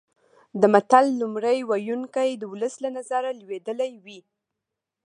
د متل لومړی ویونکی د ولس له نظره لویدلی وي